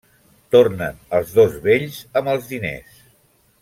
Tornen els dos vells amb els diners.